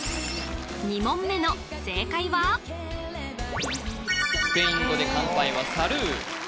２問目の正解はスペイン語で乾杯はサルー